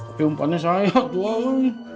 kayaknya umpanya saya tuhan